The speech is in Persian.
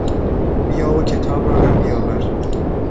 بیا و کتاب را هم بیاور.